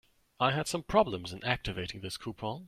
I had some problems in activating this coupon.